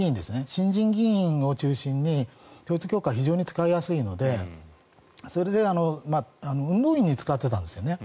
新人議員を中心に統一教会は非常に使いやすいのでそれで運動員に使ってたんですよね。